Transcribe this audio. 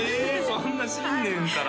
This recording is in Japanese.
そんな新年から？